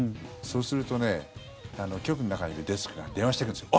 そうするとね局の中にいるデスクが電話してくるんですよ。